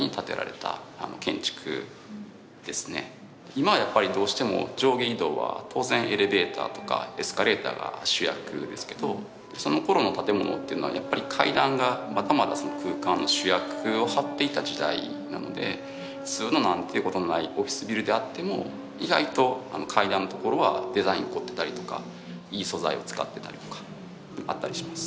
今はやっぱりどうしても上下移動は当然エレベーターとかエスカレーターが主役ですけどそのころの建物というのはやっぱり階段がまだまだその空間の主役を張っていた時代なので普通の何ていうことのないオフィスビルであっても意外と階段のところはデザイン凝ってたりとかいい素材を使ってたりとかあったりします。